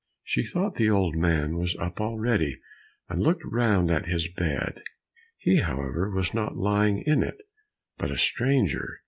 She thought the old man was up already, and looked round at his bed; he, however, was not lying in it, but a stranger.